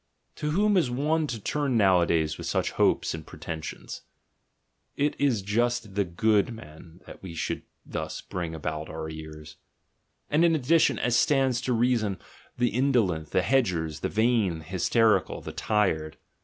To whom is one to turn nowadays with such hopes and pretensions? — It is just the good men that we should thus bring about our ears; and in ad dition, as stands to reason, the indolent, the hedgers, the vain, the hysterical, the tired.